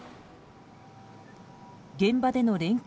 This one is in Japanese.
現場での連携